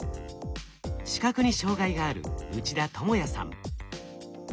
視覚に障害がある内田智也さん。